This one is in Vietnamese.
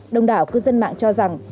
đông đảo cư dân mạng cho rằng